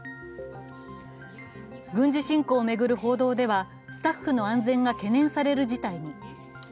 軍事侵攻を巡る報道ではスタッフの安全が懸念される事態に。